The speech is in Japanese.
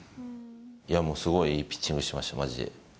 いや、もう、すごいいいピッチングしてました、まじで。